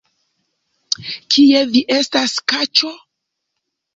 Kie vi estas, kaĉo?